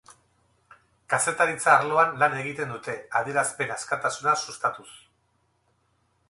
Kazetaritza arloan lan egiten dute, adierazpen askatasuna sustatuz.